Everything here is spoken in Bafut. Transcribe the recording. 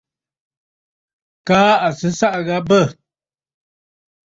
Kaa à sɨ ɨsaʼà gha bə̂.